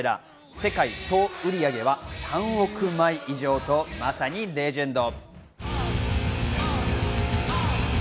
世界総売上は３億枚以上とまさにレジェンド。